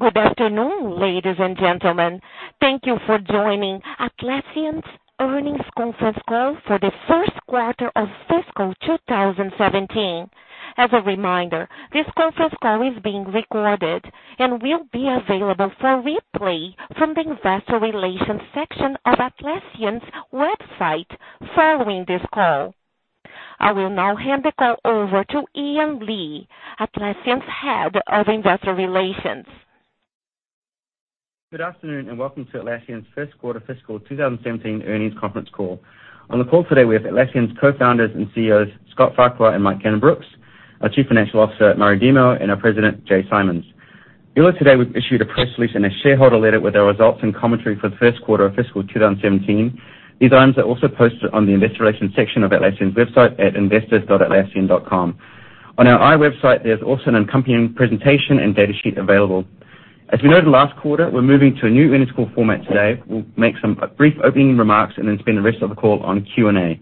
Good afternoon, ladies and gentlemen. Thank you for joining Atlassian's earnings conference call for the first quarter of fiscal 2017. As a reminder, this conference call is being recorded and will be available for replay from the investor relations section of Atlassian's website following this call. I will now hand the call over to Ian Lee, Atlassian's Head of Investor Relations. Good afternoon and welcome to Atlassian's first quarter fiscal 2017 earnings conference call. On the call today, we have Atlassian's Co-Founders and Co-CEOs, Scott Farquhar and Mike Cannon-Brookes, our Chief Financial Officer, Murray Demo, and our President, Jay Simons. Earlier today, we issued a press release and a shareholder letter with our results and commentary for the first quarter of fiscal 2017. These items are also posted on the investor relations section of Atlassian's website at investors.atlassian.com. On our IR website, there's also an accompanying presentation and datasheet available. As we noted last quarter, we're moving to a new earnings call format today. We'll make some brief opening remarks and then spend the rest of the call on Q&A.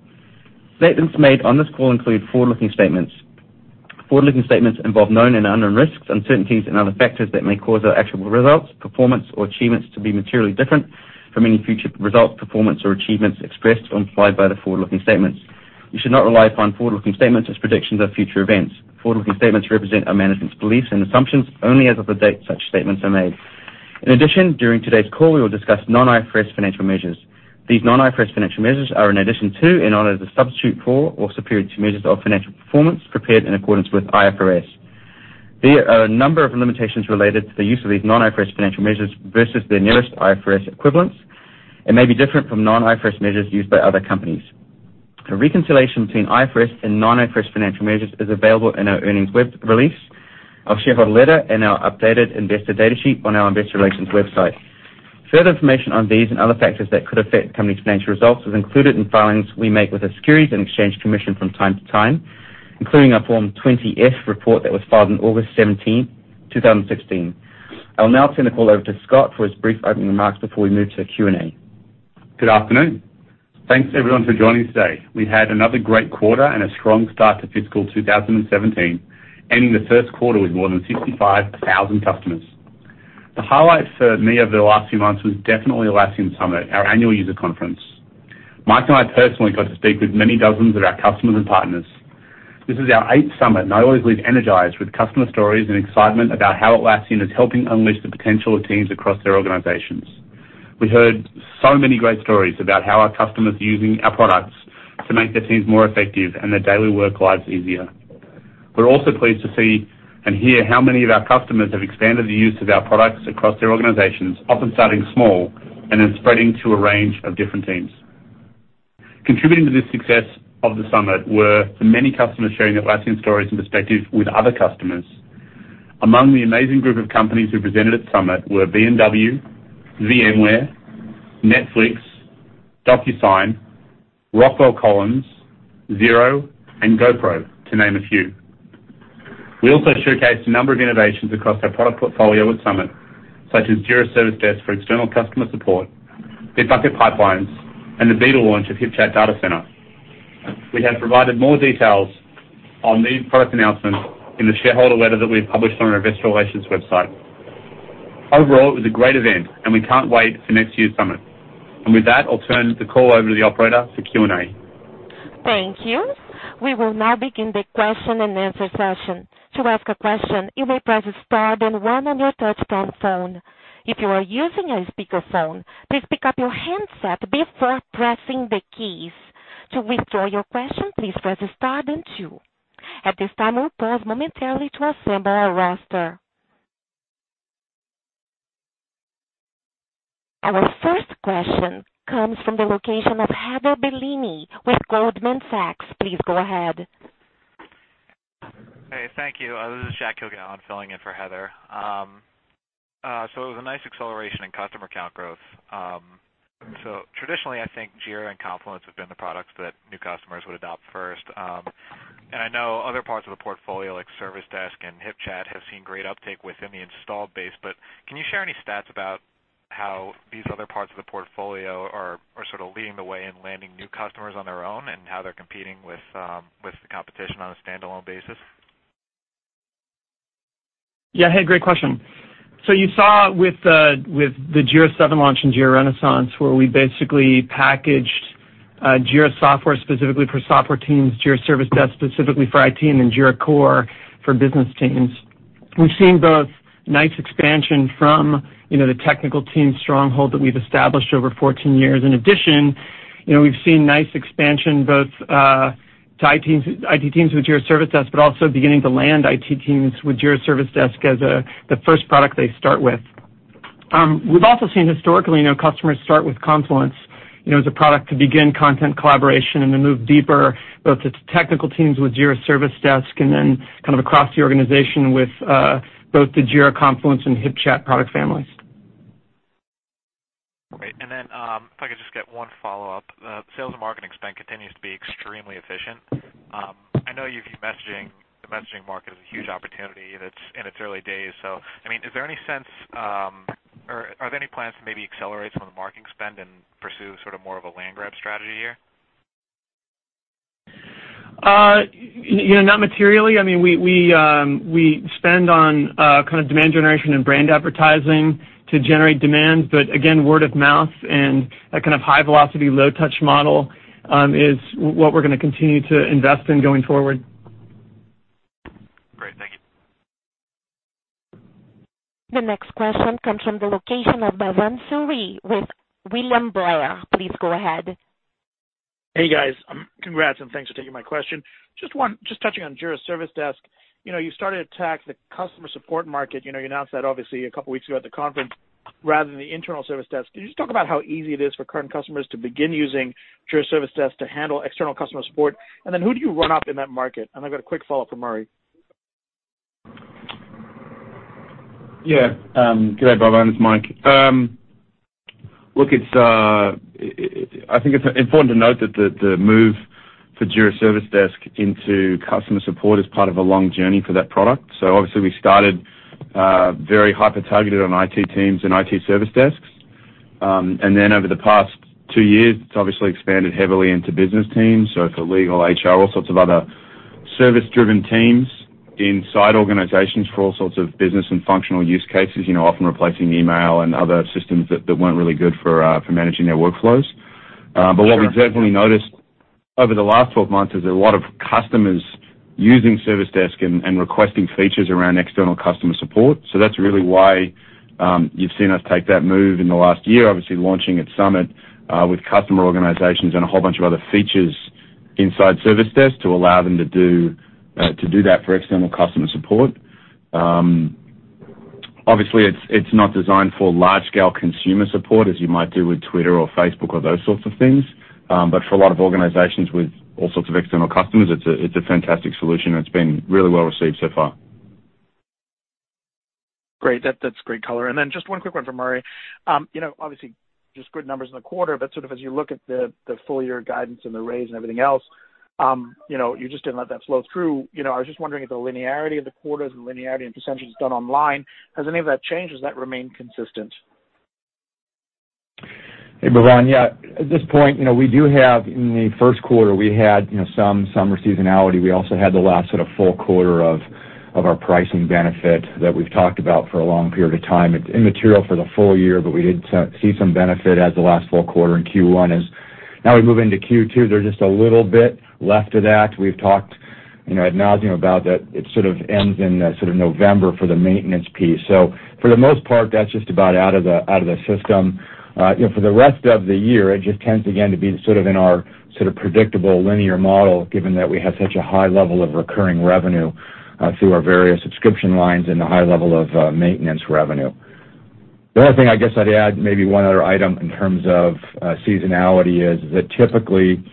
Statements made on this call include forward-looking statements. Forward-looking statements involve known and unknown risks, uncertainties, and other factors that may cause our actual results, performance, or achievements to be materially different from any future results, performance, or achievements expressed or implied by the forward-looking statements. You should not rely upon forward-looking statements as predictions of future events. Forward-looking statements represent our management's beliefs and assumptions only as of the date such statements are made. During today's call, we will discuss non-IFRS financial measures. These non-IFRS financial measures are in addition to and are not a substitute for or superior to measures of financial performance prepared in accordance with IFRS. There are a number of limitations related to the use of these non-IFRS financial measures versus their nearest IFRS equivalents and may be different from non-IFRS measures used by other companies. A reconciliation between IFRS and non-IFRS financial measures is available in our earnings release, our shareholder letter, and our updated investor data sheet on our investor relations website. Further information on these and other factors that could affect company's financial results is included in filings we make with the Securities and Exchange Commission from time to time, including our Form 20-F report that was filed on August 17th, 2016. I'll now turn the call over to Scott for his brief opening remarks before we move to Q&A. Good afternoon. Thanks, everyone, for joining today. We had another great quarter and a strong start to fiscal 2017, ending the first quarter with more than 65,000 customers. The highlight for me over the last few months was definitely Atlassian Summit, our annual user conference. Mike and I personally got to speak with many dozens of our customers and partners. This is our eighth summit. I always leave energized with customer stories and excitement about how Atlassian is helping unleash the potential of teams across their organizations. We heard so many great stories about how our customers are using our products to make their teams more effective and their daily work lives easier. We are also pleased to see and hear how many of our customers have expanded the use of our products across their organizations, often starting small and then spreading to a range of different teams. Contributing to this success of the summit were the many customers sharing their Atlassian stories and perspective with other customers. Among the amazing group of companies who presented at Summit were BMW, VMware, Netflix, DocuSign, Rockwell Collins, Xero, and GoPro, to name a few. We also showcased a number of innovations across our product portfolio at Summit, such as Jira Service Desk for external customer support, Bitbucket Pipelines, and the beta launch of HipChat Data Center. We have provided more details on these product announcements in the shareholder letter that we have published on our investor relations website. Overall, it was a great event and we can't wait for next year's summit. With that, I will turn the call over to the operator for Q&A. Thank you. We will now begin the question-and-answer session. To ask a question, you may press star then one on your touchtone phone. If you are using a speakerphone, please pick up your handset before pressing the keys. To withdraw your question, please press star then two. At this time, we will pause momentarily to assemble our roster. Our first question comes from the location of Heather Bellini with Goldman Sachs. Please go ahead. Hey, thank you. This is Jack Hilgen on, filling in for Heather. It was a nice acceleration in customer count growth. Traditionally, I think Jira and Confluence have been the products that new customers would adopt first. I know other parts of the portfolio, like Service Desk and HipChat, have seen great uptake within the installed base. Can you share any stats about how these other parts of the portfolio are sort of leading the way in landing new customers on their own and how they are competing with the competition on a standalone basis? Yeah, hey, great question. You saw with the Jira 7 launch and Jira Renaissance, where we basically packaged Jira Software specifically for software teams, Jira Service Desk specifically for IT team, and Jira Core for business teams. We've seen both nice expansion from the technical team stronghold that we've established over 14 years. In addition, we've seen nice expansion, both to IT teams with Jira Service Desk, but also beginning to land IT teams with Jira Service Desk as the first product they start with. We've also seen historically, customers start with Confluence as a product to begin content collaboration and then move deeper, both to technical teams with Jira Service Desk and then across the organization with both the Jira, Confluence, and HipChat product families. Great. If I could just get one follow-up. Sales and marketing spend continues to be extremely efficient. I know the messaging market is a huge opportunity, and it's in its early days. Are there any plans to maybe accelerate some of the marketing spend and pursue more of a land grab strategy here? Not materially. We spend on demand generation and brand advertising to generate demand, again, word of mouth and that high velocity, low touch model, is what we're going to continue to invest in going forward. Great. Thank you. The next question comes from the location of Bhavan Suri with William Blair. Please go ahead. Hey, guys. Congrats and thanks for taking my question. Just touching on Jira Service Desk. You started to attack the customer support market. You announced that obviously a couple of weeks ago at the conference rather than the internal Service Desk. Can you just talk about how easy it is for current customers to begin using Jira Service Desk to handle external customer support? Who do you run up in that market? I've got a quick follow-up for Murray. Yeah. Good day, Bhavan. It's Mike. I think it's important to note that the move for Jira Service Desk into customer support is part of a long journey for that product. Obviously we started very hyper-targeted on IT teams and IT Service Desks. Over the past two years, it's obviously expanded heavily into business teams. For legal, HR, all sorts of other service-driven teams inside organizations for all sorts of business and functional use cases, often replacing email and other systems that weren't really good for managing their workflows. What we've definitely noticed over the last 12 months is a lot of customers using Service Desk and requesting features around external customer support. That's really why you've seen us take that move in the last year, obviously launching at Summit, with customer organizations and a whole bunch of other features inside Service Desk to allow them to do that for external customer support. Obviously, it's not designed for large-scale consumer support as you might do with Twitter or Facebook or those sorts of things. For a lot of organizations with all sorts of external customers, it's a fantastic solution, and it's been really well-received so far. Great. That's great color. Just one quick one for Murray. Obviously, just good numbers in the quarter, sort of as you look at the full year guidance and the raise and everything else, you just didn't let that flow through. I was just wondering if the linearity of the quarters and the linearity and percentage is done online, has any of that changed? Does that remain consistent? Hey, Bhavan. Yeah. At this point, in the first quarter, we had some summer seasonality. We also had the last sort of full quarter of our pricing benefit that we've talked about for a long period of time. It's immaterial for the full year, but we did see some benefit as the last full quarter in Q1 is. Now we move into Q2, there's just a little bit left of that. We've talked ad nauseam about that it sort of ends in November for the maintenance piece. For the most part, that's just about out of the system. For the rest of the year, it just tends again to be in our sort of predictable linear model, given that we have such a high level of recurring revenue, through our various subscription lines and a high level of maintenance revenue. The only thing I guess I'd add, maybe one other item in terms of seasonality is that typically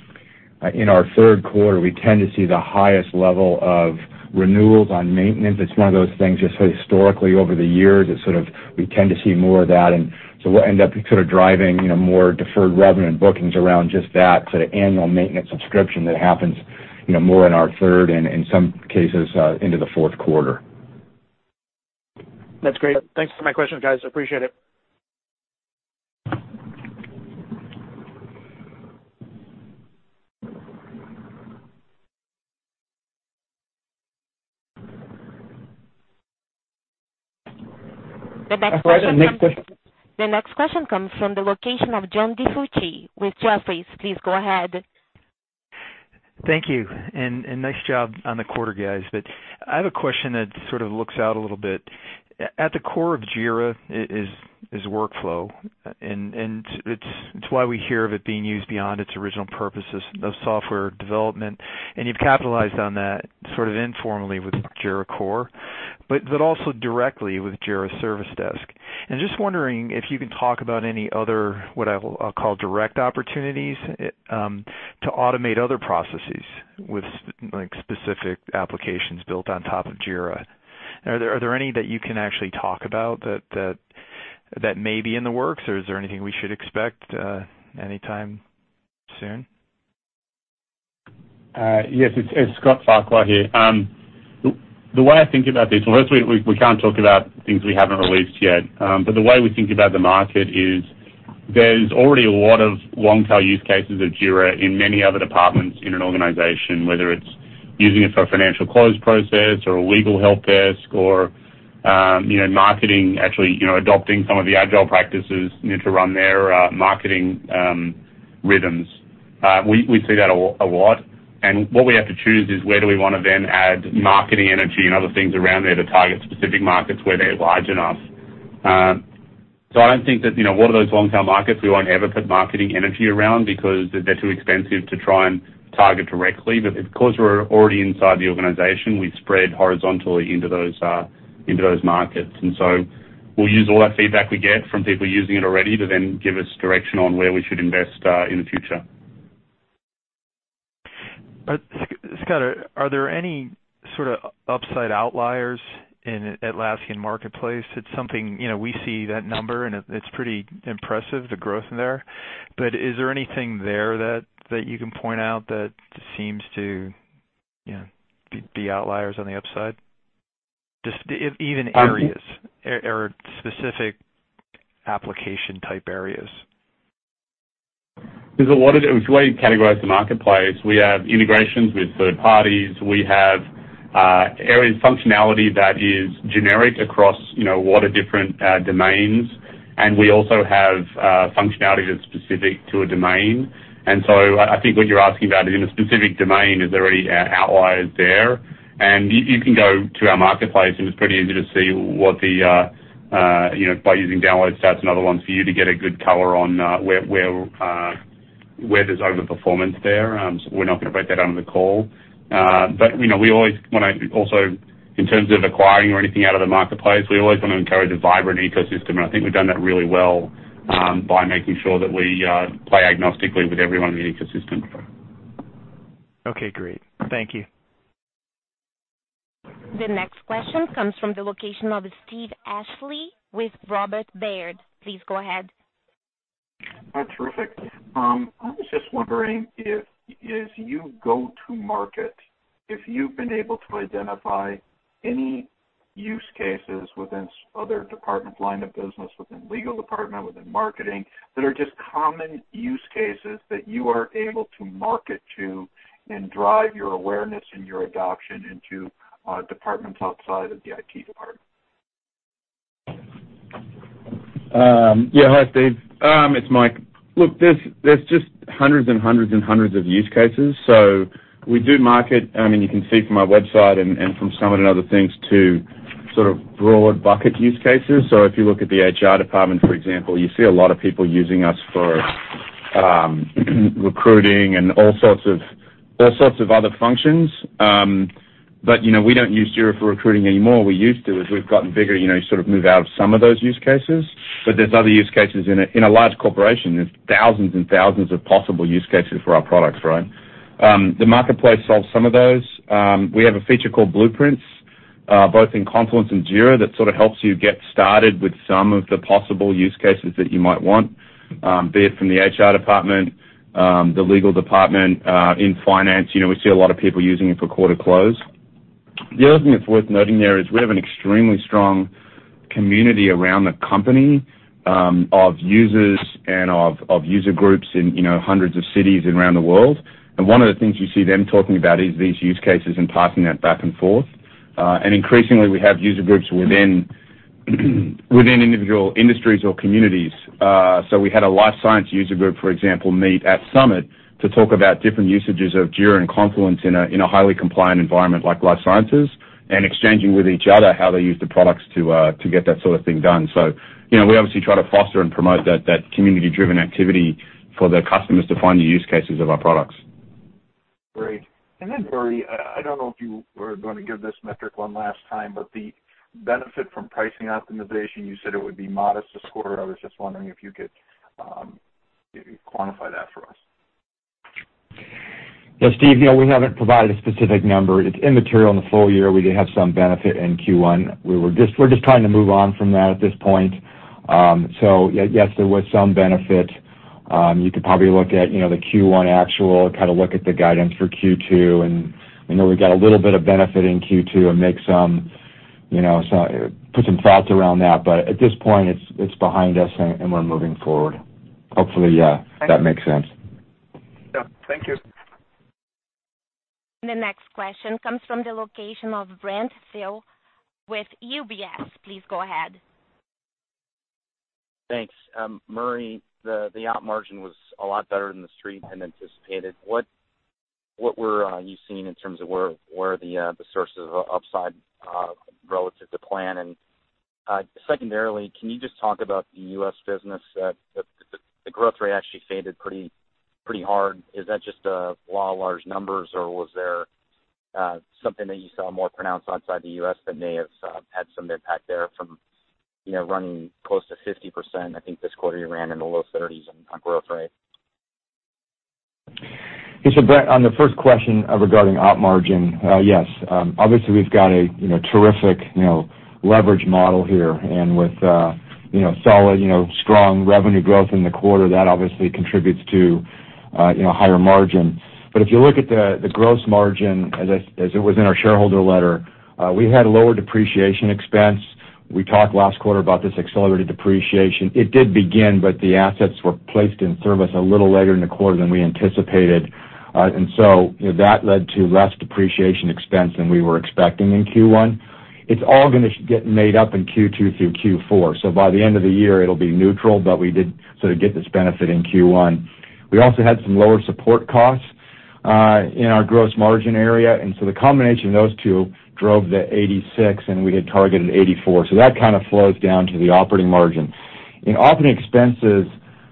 in our third quarter, we tend to see the highest level of renewals on maintenance. It's one of those things, just historically over the years, we tend to see more of that. We'll end up sort of driving more deferred revenue and bookings around just that sort of annual maintenance subscription that happens more in our third and in some cases, into the fourth quarter. That's great. Thanks for my questions, guys. Appreciate it. The next question comes from the location of John DiFucci with Jefferies. Please go ahead. Thank you. Nice job on the quarter, guys. I have a question that sort of looks out a little bit. At the core of Jira is workflow, and it's why we hear of it being used beyond its original purposes of software development. You've capitalized on that sort of informally with Jira Core, also directly with Jira Service Desk. Just wondering if you can talk about any other, what I'll call direct opportunities, to automate other processes with specific applications built on top of Jira. Are there any that you can actually talk about that may be in the works, or is there anything we should expect anytime soon? Yes, it's Scott Farquhar here. The way I think about this, well, obviously we can't talk about things we haven't released yet. The way we think about the market is there's already a lot of long-tail use cases of Jira in many other departments in an organization, whether it's using it for a financial close process or a legal help desk or marketing, actually adopting some of the agile practices to run their marketing rhythms. We see that a lot, what we have to choose is where do we want to then add marketing energy and other things around there to target specific markets where they're large enough. I don't think that one of those long-term markets, we won't ever put marketing energy around because they're too expensive to try and target directly. Because we're already inside the organization, we've spread horizontally into those markets. We'll use all that feedback we get from people using it already to then give us direction on where we should invest in the future. Scott, are there any sort of upside outliers in Atlassian Marketplace? It's something, we see that number, and it's pretty impressive, the growth there. Is there anything there that you can point out that seems to be outliers on the upside? Even areas or specific application type areas. The way you categorize the Marketplace, we have integrations with third parties. We have areas of functionality that is generic across a lot of different domains, and we also have functionality that's specific to a domain. I think what you're asking about is, in a specific domain, is there any outliers there? You can go to our Marketplace, and it's pretty easy to see what the by using download stats and other ones for you to get a good color on where there's over-performance there. We're not going to break that on the call. We always want to, also, in terms of acquiring or anything out of the Marketplace, we always want to encourage a vibrant ecosystem, and I think we've done that really well by making sure that we play agnostically with everyone in the ecosystem. Okay, great. Thank you. The next question comes from the location of Steve Ashley with Robert W. Baird. Please go ahead. Terrific. I was just wondering if, as you go to market, if you've been able to identify any use cases within other department line of business, within legal department, within marketing, that are just common use cases that you are able to market to and drive your awareness and your adoption into departments outside of the IT department. Yeah. Hi, Steve. It's Mike. Look, there's just hundreds and hundreds of use cases. We do market, you can see from our website and from some of the other things too, sort of broad bucket use cases. If you look at the HR department, for example, you see a lot of people using us for recruiting and all sorts of other functions. We don't use Jira for recruiting anymore. We used to. As we've gotten bigger, you sort of move out of some of those use cases. There's other use cases in a large corporation, there's thousands and thousands of possible use cases for our products, right? The marketplace solves some of those. We have a feature called Blueprints, both in Confluence and Jira, that sort of helps you get started with some of the possible use cases that you might want, be it from the HR department, the legal department, in finance. We see a lot of people using it for quarter close. The other thing that's worth noting there is we have an extremely strong community around the company, of users and of user groups in hundreds of cities around the world. One of the things you see them talking about is these use cases and passing that back and forth. Increasingly, we have user groups within individual industries or communities. We had a life science user group, for example, meet at Summit to talk about different usages of Jira and Confluence in a highly compliant environment like life sciences, and exchanging with each other how they use the products to get that sort of thing done. We obviously try to foster and promote that community-driven activity for the customers to find the use cases of our products. Great. Murray, I don't know if you were going to give this metric one last time, but the benefit from pricing optimization, you said it would be modest this quarter. I was just wondering if you could maybe quantify that for us. Yes, Steve, we haven't provided a specific number. It's immaterial in the full year. We did have some benefit in Q1. We're just trying to move on from that at this point. Yes, there was some benefit. You could probably look at the Q1 actual, kind of look at the guidance for Q2, and I know we got a little bit of benefit in Q2, and put some thoughts around that. At this point, it's behind us, and we're moving forward. Hopefully, that makes sense. Yeah. Thank you. The next question comes from the location of Brent Thill with UBS. Please go ahead. Thanks. Murray, the op margin was a lot better than the Street had anticipated. What were you seeing in terms of where the sources of upside relative to plan? Secondarily, can you just talk about the U.S. business? The growth rate actually faded pretty hard. Is that just the law of large numbers, or was there something that you saw more pronounced outside the U.S. that may have had some impact there from running close to 50%? I think this quarter you ran in the low 30s on growth rate. Yeah. Brent, on the first question regarding op margin, yes. Obviously, we've got a terrific leverage model here, and with solid, strong revenue growth in the quarter, that obviously contributes to higher margin. If you look at the gross margin as it was in our shareholder letter, we had lower depreciation expense. We talked last quarter about this accelerated depreciation. It did begin, but the assets were placed in service a little later in the quarter than we anticipated. That led to less depreciation expense than we were expecting in Q1. It's all going to get made up in Q2 through Q4. By the end of the year, it'll be neutral, but we did sort of get this benefit in Q1. The combination of those two drove the 86, and we had targeted 84. That kind of flows down to the operating margin. In operating expenses,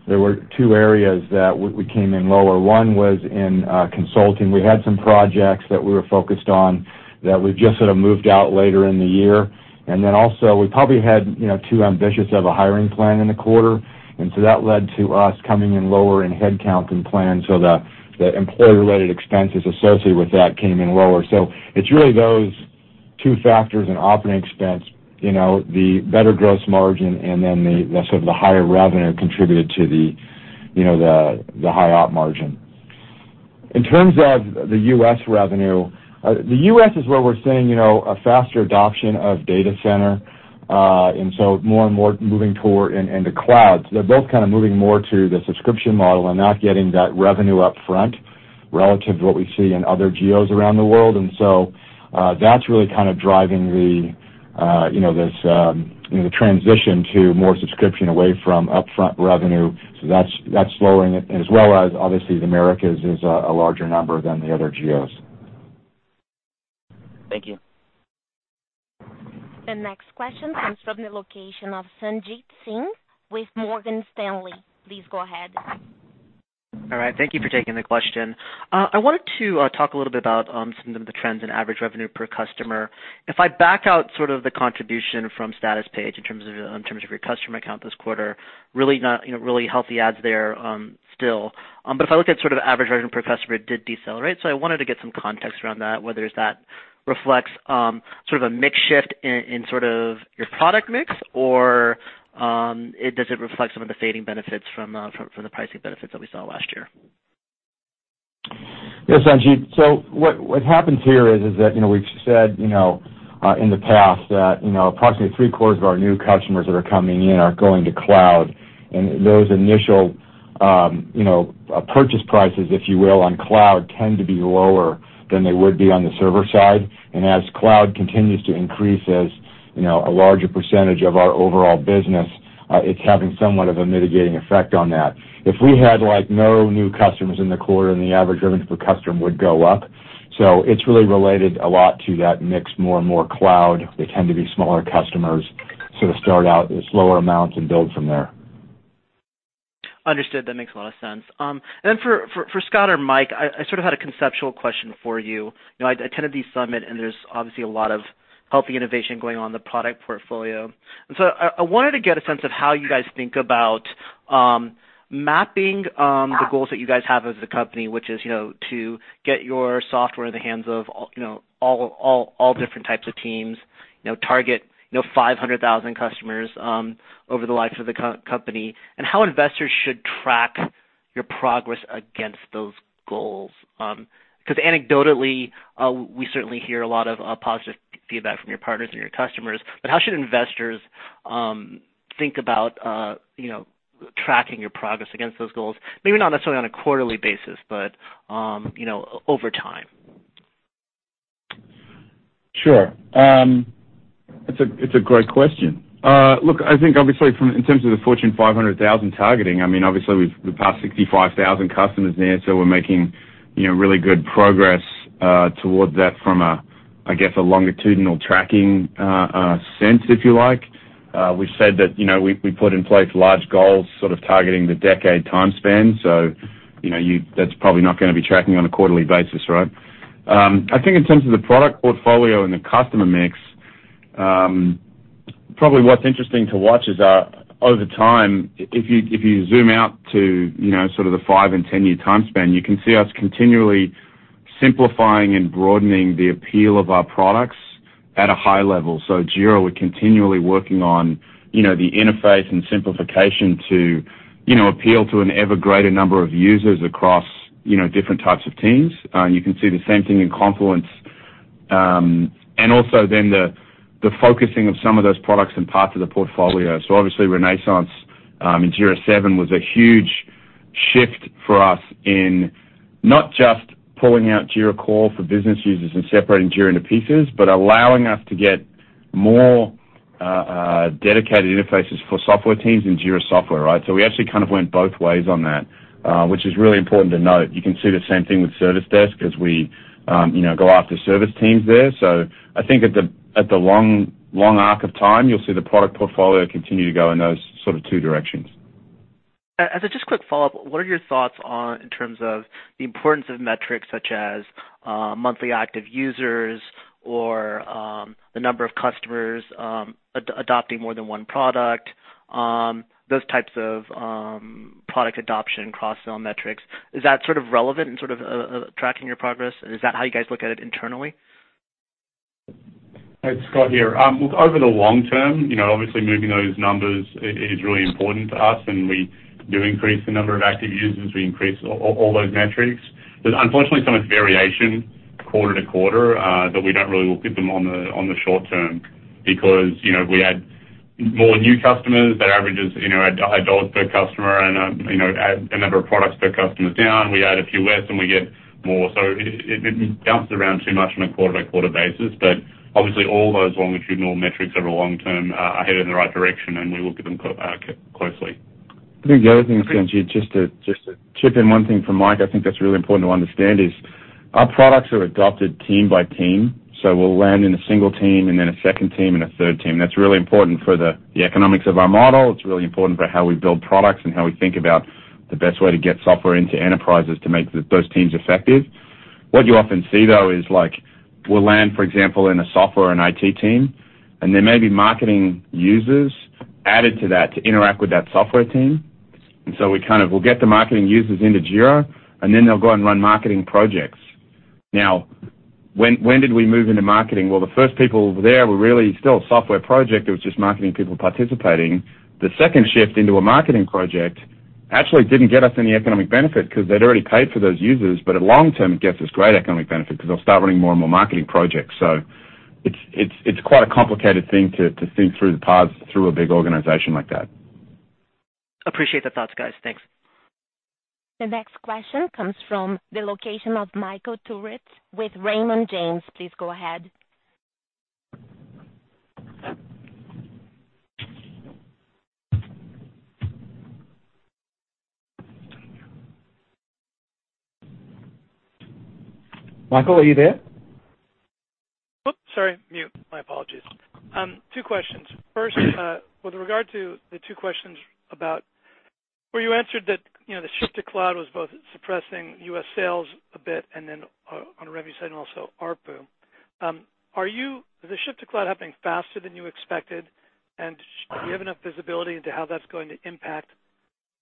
there were two areas that we came in lower. One was in consulting. We had some projects that we were focused on that we've just sort of moved out later in the year. We probably had too ambitious of a hiring plan in the quarter, and so that led to us coming in lower in head count than planned, so the employer-related expenses associated with that came in lower. It's really those two factors in operating expense, the better gross margin and then the sort of the higher revenue contributed to the high op margin. In terms of the U.S. revenue, the U.S. is where we're seeing a faster adoption of Data Center, and so more and more moving toward into cloud. They're both kind of moving more to the subscription model and not getting that revenue up front relative to what we see in other geos around the world. That's really kind of driving this transition to more subscription away from upfront revenue. That's slowing it, as well as, obviously, the Americas is a larger number than the other geos. Thank you. The next question comes from the location of Sanjit Singh with Morgan Stanley. Please go ahead. All right. Thank you for taking the question. I wanted to talk a little bit about some of the trends in average revenue per customer. If I back out sort of the contribution from Statuspage in terms of your customer count this quarter, really healthy adds there still. If I look at sort of average revenue per customer, it did decelerate, so I wanted to get some context around that, whether that reflects sort of a mix shift in sort of your product mix or does it reflect some of the fading benefits from the pricing benefits that we saw last year? Yes, Sanjit. What happens here is that we've said in the past that approximately three-quarters of our new customers that are coming in are going to cloud, and those initial purchase prices, if you will, on cloud tend to be lower than they would be on the server side. And as cloud continues to increase as a larger percentage of our overall business, it's having somewhat of a mitigating effect on that. If we had no new customers in the quarter, then the average revenue per customer would go up. It's really related a lot to that mix, more and more cloud. They tend to be smaller customers, sort of start out with lower amounts and build from there. Understood. That makes a lot of sense. For Scott or Mike, I sort of had a conceptual question for you. I attended the Atlassian Summit, and there's obviously a lot of healthy innovation going on in the product portfolio. I wanted to get a sense of how you guys think about mapping the goals that you guys have as a company, which is to get your software in the hands of all different types of teams, target 500,000 customers over the life of the company, and how investors should track your progress against those goals. Anecdotally, we certainly hear a lot of positive feedback from your partners and your customers. How should investors think about tracking your progress against those goals? Maybe not necessarily on a quarterly basis, but over time. Sure. It's a great question. I think obviously in terms of the Fortune 500,000 targeting, I mean, obviously we've passed 65,000 customers there, we're making really good progress towards that from a, I guess, a longitudinal tracking sense, if you like. We've said that we put in place large goals sort of targeting the decade time span. That's probably not going to be tracking on a quarterly basis, right? In terms of the product portfolio and the customer mix, probably what's interesting to watch is over time, if you zoom out to sort of the five- and ten-year time span, you can see us continually simplifying and broadening the appeal of our products at a high level. Jira, we're continually working on the interface and simplification to appeal to an ever greater number of users across different types of teams. You can see the same thing in Confluence. The focusing of some of those products and parts of the portfolio. Obviously, Renaissance in Jira 7 was a huge shift for us in not just pulling out Jira Core for business users and separating Jira into pieces, but allowing us to get more dedicated interfaces for software teams in Jira Software, right? We actually kind of went both ways on that, which is really important to note. You can see the same thing with Service Desk as we go after service teams there. I think at the long arc of time, you'll see the product portfolio continue to go in those sort of two directions. As just a quick follow-up, what are your thoughts in terms of the importance of metrics such as monthly active users or the number of customers adopting more than one product, those types of product adoption cross-sell metrics? Is that sort of relevant in sort of tracking your progress? Is that how you guys look at it internally? It's Scott here. Over the long term, obviously moving those numbers is really important to us, and we do increase the number of active users. We increase all those metrics. There's unfortunately so much variation quarter to quarter, that we don't really look at them on the short term because we add more new customers that averages higher $ per customer and add the number of products per customer is down. We add a few less, and we get more. It bounces around too much on a quarter-by-quarter basis. Obviously all those longitudinal metrics over long term are headed in the right direction, and we look at them closely. I think the other thing, Sanjit, just to chip in one thing from Mike, I think that's really important to understand is our products are adopted team by team. We'll land in a single team and then a second team and a third team. That's really important for the economics of our model. It's really important for how we build products and how we think about the best way to get software into enterprises to make those teams effective. What you often see, though, is we'll land, for example, in a software and IT team, and there may be marketing users added to that to interact with that software team. We kind of will get the marketing users into Jira, and then they'll go and run marketing projects. Now, when did we move into marketing? Well, the first people there were really still a software project. It was just marketing people participating. The second shift into a marketing project actually didn't get us any economic benefit because they'd already paid for those users. Long-term, it gets us great economic benefit because they'll start running more and more marketing projects. It's quite a complicated thing to think through the paths through a big organization like that. Appreciate the thoughts, guys. Thanks. The next question comes from the location of Michael Turits with Raymond James. Please go ahead. Michael, are you there? Oh, sorry. Mute. My apologies. Two questions. First, with regard to the two questions about where you answered that the shift to cloud was both suppressing U.S. sales a bit and then on the revenue side and also ARPU. Is the shift to cloud happening faster than you expected? Do you have enough visibility into how that's going to impact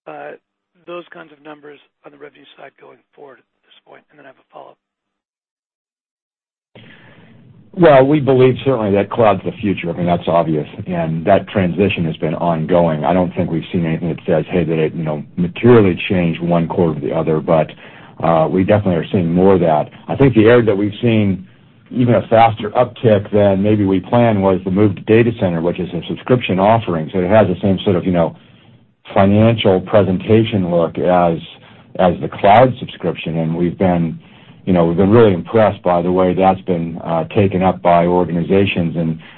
those kinds of numbers on the revenue side going forward at this point? I have a follow-up. Well, we believe certainly that cloud's the future. I mean, that's obvious. That transition has been ongoing. I don't think we've seen anything that says, hey, that it materially changed one quarter to the other. We definitely are seeing more of that. I think the area that we've seen even a faster uptick than maybe we planned was the move to Data Center, which is a subscription offering. It has the same sort of financial presentation look as the cloud subscription, and we've been really impressed by the way that's been taken up by organizations.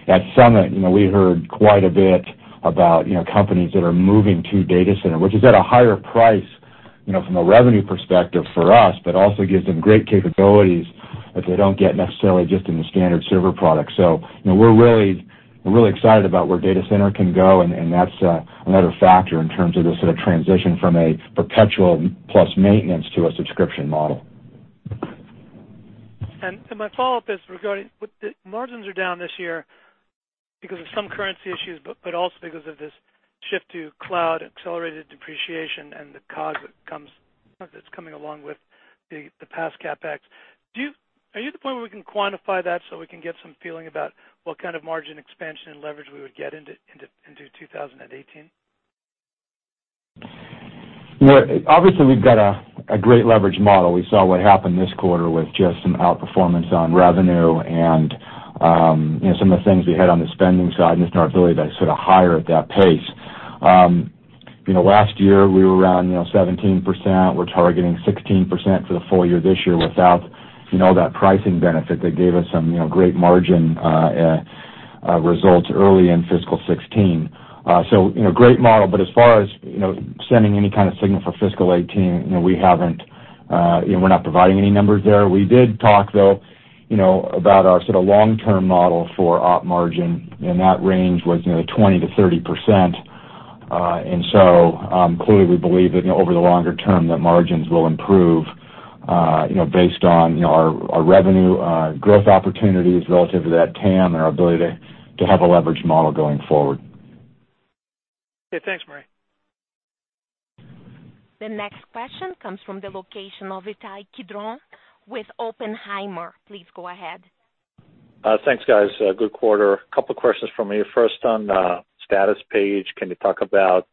At Summit, we heard quite a bit about companies that are moving to Data Center, which is at a higher price from a revenue perspective for us, but also gives them great capabilities that they don't get necessarily just in the standard server product. We're really excited about where Data Center can go, and that's another factor in terms of the sort of transition from a perpetual plus maintenance to a subscription model. My follow-up is regarding, margins are down this year because of some currency issues, but also because of this shift to cloud, accelerated depreciation, and the cost that's coming along with the past CapEx. Are you at the point where we can quantify that so we can get some feeling about what kind of margin expansion and leverage we would get into 2018? Obviously, we've got a great leverage model. We saw what happened this quarter with just some outperformance on revenue and some of the things we had on the spending side and just our ability to sort of hire at that pace. Last year, we were around 17%. We're targeting 16% for the full year this year without that pricing benefit that gave us some great margin results early in fiscal 2016. Great model, but as far as sending any kind of signal for fiscal 2018, we're not providing any numbers there. We did talk, though, about our sort of long-term model for op margin, and that range was 20%-30%. Clearly, we believe that over the longer term, that margins will improve based on our revenue growth opportunities relative to that TAM and our ability to have a leverage model going forward. Okay, thanks, Murray. The next question comes from the location of Ittai Kidron with Oppenheimer. Please go ahead. Thanks, guys. Good quarter. A couple of questions from me. First, on the Statuspage, can you talk about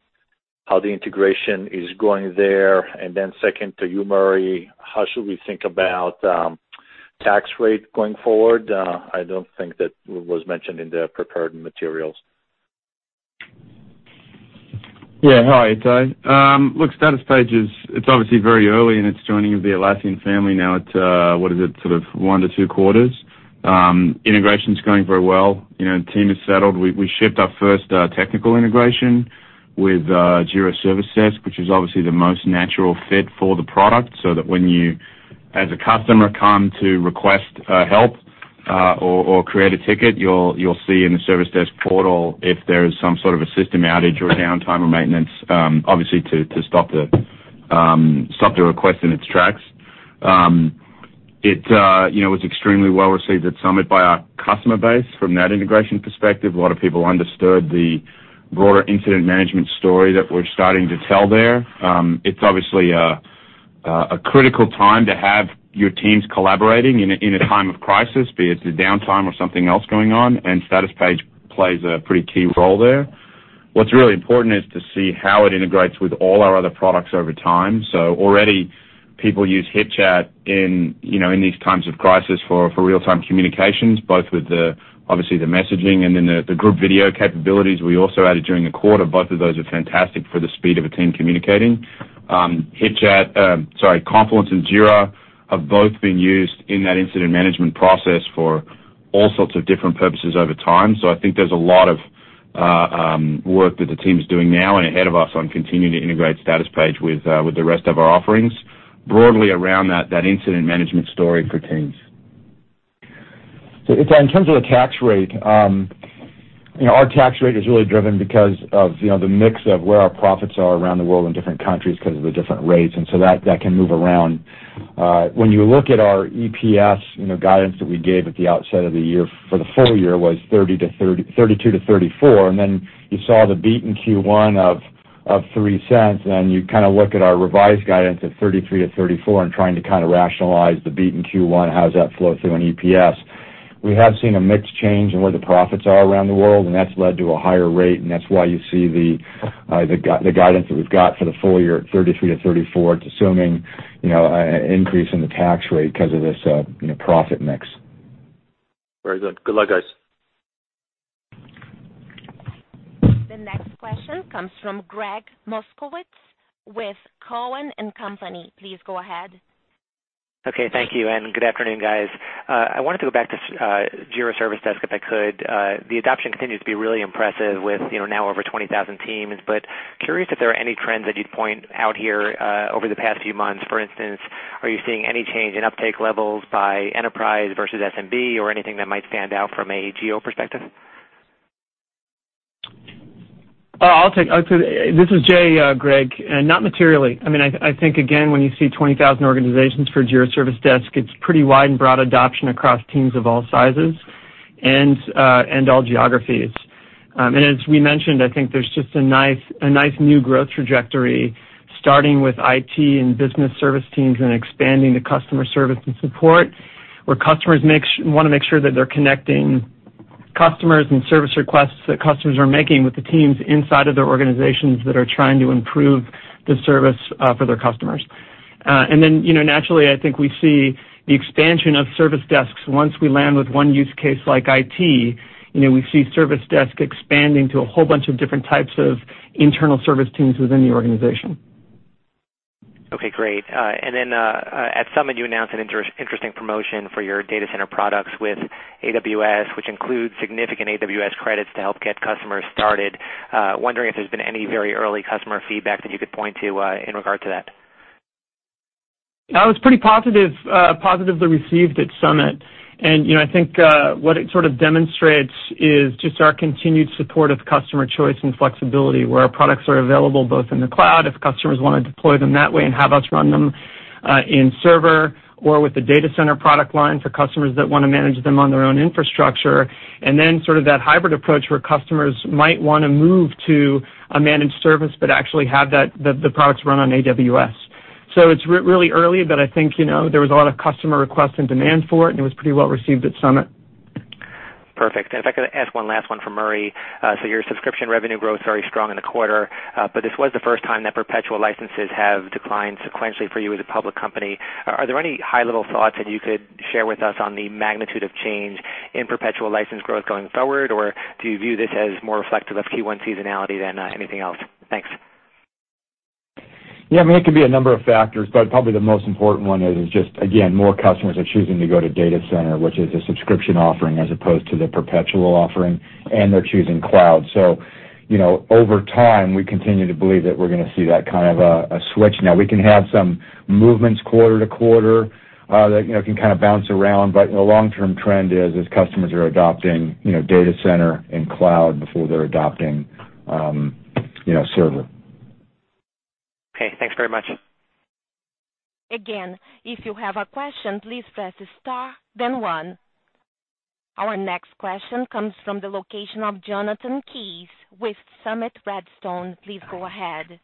how the integration is going there? Then second, to you, Murray, how should we think about tax rate going forward? I don't think that it was mentioned in the prepared materials. Hi, Ittai. Look, Statuspage, it's obviously very early in its joining of the Atlassian family now at, what is it? Sort of one to two quarters. Integration's going very well. Team is settled. We shipped our first technical integration with Jira Service Desk, which is obviously the most natural fit for the product, so that when you, as a customer, come to request help or create a ticket, you'll see in the Service Desk portal if there is some sort of a system outage or downtime or maintenance, obviously to stop the request in its tracks. It was extremely well-received at Summit by our customer base from that integration perspective. A lot of people understood the broader incident management story that we're starting to tell there. It's obviously a critical time to have your teams collaborating in a time of crisis, be it through downtime or something else going on. Statuspage plays a pretty key role there. What's really important is to see how it integrates with all our other products over time. Already people use HipChat in these times of crisis for real-time communications, both with obviously the messaging and then the group video capabilities we also added during the quarter. Both of those are fantastic for the speed of a team communicating. Confluence and Jira have both been used in that incident management process for all sorts of different purposes over time. I think there's a lot of work that the team is doing now and ahead of us on continuing to integrate Statuspage with the rest of our offerings broadly around that incident management story for teams. Ittai, in terms of the tax rate, our tax rate is really driven because of the mix of where our profits are around the world in different countries because of the different rates, that can move around. When you look at our EPS guidance that we gave at the outset of the year for the full year was 32 to 34, you saw the beat in Q1 of $0.03, you kind of look at our revised guidance of 33 to 34 and trying to rationalize the beat in Q1, how does that flow through in EPS? We have seen a mixed change in where the profits are around the world, and that's led to a higher rate, that's why you see the guidance that we've got for the full year at 33 to 34. It's assuming an increase in the tax rate because of this profit mix. Very good. Good luck, guys. The next question comes from Gregg Moskowitz with Cowen and Company. Please go ahead. Okay. Thank you, and good afternoon, guys. I wanted to go back to Jira Service Desk if I could. The adoption continues to be really impressive with now over 20,000 teams, curious if there are any trends that you'd point out here over the past few months. For instance, are you seeing any change in uptake levels by enterprise versus SMB or anything that might stand out from a geo perspective? This is Jay, Gregg. Not materially. I think, again, when you see 20,000 organizations for Jira Service Desk, it's pretty wide and broad adoption across teams of all sizes and all geographies. As we mentioned, I think there's just a nice new growth trajectory starting with IT and business service teams and expanding to customer service and support, where customers want to make sure that they're connecting customers and service requests that customers are making with the teams inside of their organizations that are trying to improve the service for their customers. Naturally, I think we see the expansion of Service Desk once we land with one use case like IT. We see Service Desk expanding to a whole bunch of different types of internal service teams within the organization. Okay, great. At Summit you announced an interesting promotion for your Data Center products with AWS, which includes significant AWS credits to help get customers started. Wondering if there's been any very early customer feedback that you could point to in regard to that. That was pretty positively received at Summit, and I think what it sort of demonstrates is just our continued support of customer choice and flexibility, where our products are available both in the cloud, if customers want to deploy them that way and have us run them in server or with the Data Center product line for customers that want to manage them on their own infrastructure. That hybrid approach where customers might want to move to a managed service, but actually have the products run on AWS. It's really early, I think there was a lot of customer requests and demand for it, and it was pretty well received at Summit. If I could ask one last one for Murray. Your subscription revenue growth is very strong in the quarter, but this was the first time that perpetual licenses have declined sequentially for you as a public company. Are there any high-level thoughts that you could share with us on the magnitude of change in perpetual license growth going forward? Do you view this as more reflective of Q1 seasonality than anything else? Thanks. It could be a number of factors, but probably the most important one is just, again, more customers are choosing to go to Data Center, which is a subscription offering as opposed to the perpetual offering, and they're choosing cloud. Over time, we continue to believe that we're going to see that kind of a switch. Now, we can have some movements quarter-to-quarter that can kind of bounce around, but the long-term trend is customers are adopting Data Center and cloud before they're adopting server. Thanks very much. If you have a question, please press star then one. Our next question comes from the location of Jonathan Kees with Summit Redstone. Please go ahead.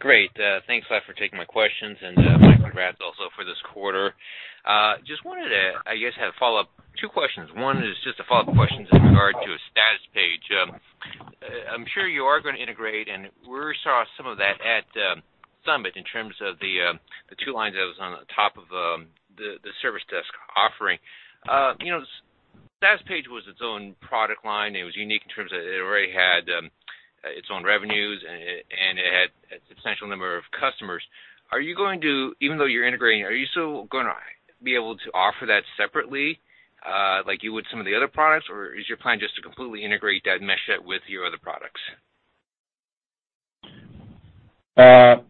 Great. Thanks for taking my questions and my congrats also for this quarter. Just wanted to, I guess, have a follow-up, two questions. One is just a follow-up question in regard to Statuspage. I'm sure you are going to integrate, and we saw some of that at Summit in terms of the two lines that was on top of the Service Desk offering. Statuspage was its own product line. It was unique in terms of it already had its own revenues, and it had a substantial number of customers. Are you going to, even though you're integrating, are you still going to be able to offer that separately, like you would some of the other products? Is your plan just to completely integrate that and mesh that with your other products? Jonathan,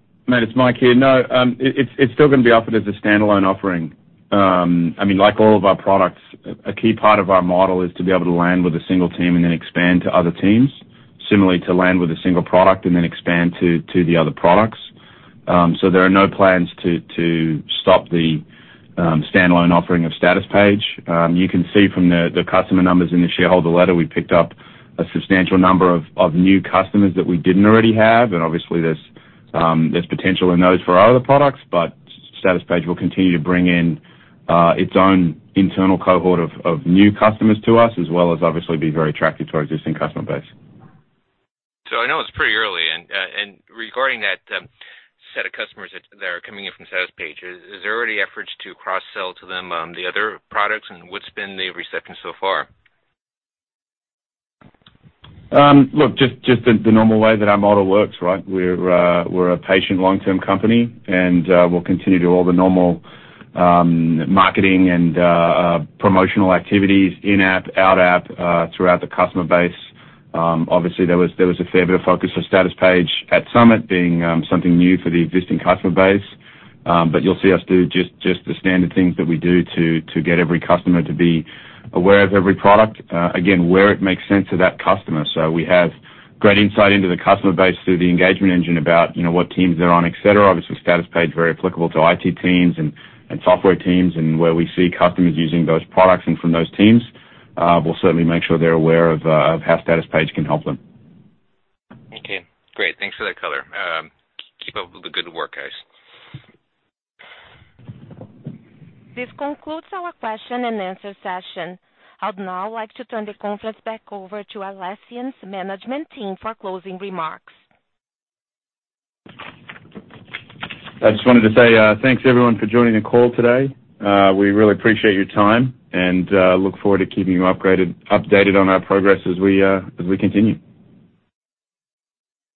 it's Mike here. It's still going to be offered as a standalone offering. Like all of our products, a key part of our model is to be able to land with a single team and then expand to other teams. Similarly, to land with a single product and then expand to the other products. There are no plans to stop the standalone offering of Statuspage. You can see from the customer numbers in the shareholder letter, we picked up a substantial number of new customers that we didn't already have, and obviously, there's potential in those for our other products, but Statuspage will continue to bring in its own internal cohort of new customers to us, as well as obviously be very attractive to our existing customer base. I know it's pretty early, and regarding that set of customers that are coming in from Statuspage, is there any efforts to cross-sell to them the other products, and what's been the reception so far? Look, just the normal way that our model works, right? We're a patient long-term company, and we'll continue to do all the normal marketing and promotional activities in-app, out-app throughout the customer base. Obviously, there was a fair bit of focus on Statuspage at Summit, being something new for the existing customer base. You'll see us do just the standard things that we do to get every customer to be aware of every product, again, where it makes sense to that customer. We have great insight into the customer base through the engagement engine about what teams they're on, et cetera. Obviously, Statuspage, very applicable to IT teams and software teams and where we see customers using those products and from those teams. We'll certainly make sure they're aware of how Statuspage can help them. Okay, great. Thanks for that color. Keep up with the good work, guys. This concludes our question-and-answer session. I'd now like to turn the conference back over to Atlassian's management team for closing remarks. I just wanted to say thanks, everyone, for joining the call today. We really appreciate your time and look forward to keeping you updated on our progress as we continue.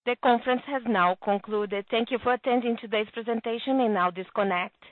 The conference has now concluded. Thank you for attending today's presentation. You may now disconnect.